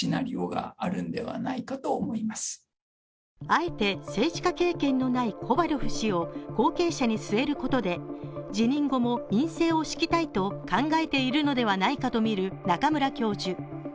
あえて政治家経験のないコヴァリョフ氏を後継者に据えることで辞任後も院政を敷きたいと考えているのではないかとみる中村教授。